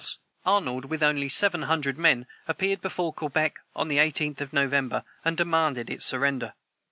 [Footnote 204: Arnold, with only seven hundred men, appeared before Quebec on the 18th of November, and demanded its surrender.